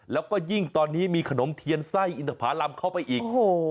แล้วก็ยิ่งตอนนี้มีขนมเทียนไส้อินทภารำเข้าไปอีก